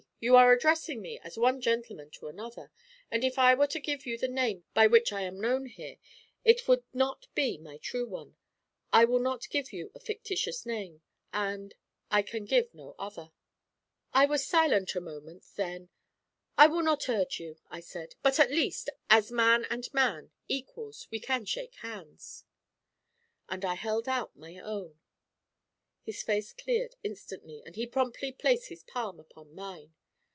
You are addressing me as one gentleman to another, and if I were to give you the name by which I am known here it would not be my true one. I will not give you a fictitious name, and I can give no other.' I was silent a moment, then 'I will not urge you,' I said; 'but at least, as man and man, equals, we can shake bands.' And I held out my own. His face cleared instantly, and he promptly placed his palm upon mine.